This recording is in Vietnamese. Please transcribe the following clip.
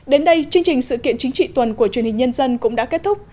đến đây chương trình sự kiện chính trị tuần của truyền hình nhân dân cũng đã kết thúc